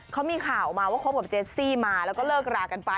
เขามีข่าวมาว่าคบกับเจสซี่มาแล้วก็เลิกรากันไป